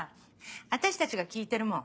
私たちが聞いてるもん